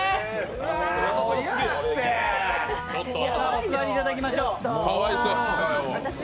お座りいただきましょう。